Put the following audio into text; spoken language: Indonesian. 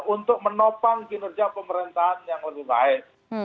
untuk menopang kinerja pemerintahan yang lebih baik